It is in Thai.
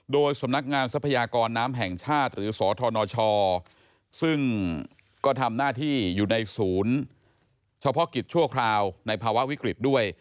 โดยสำนักงานทรัพยากรน้ำแห่งชาติหรือสธนชซึ่งก็ทำหน้าที่อยู่ในศูนย์เฉพาะกิจชั่วคราวในภาวะวิกฤตด้วย